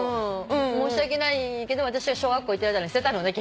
申し訳ないけど私が小学校行ってる間に捨てたのね。